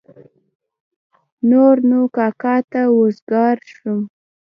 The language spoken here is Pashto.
نور نو کاکا ته وزګار شوم.